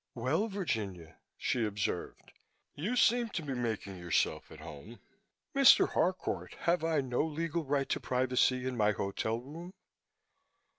"Well, Virginia," she observed, "you seem to be making yourself at home. Mr. Harcourt, have I no legal right to privacy in my hotel room?"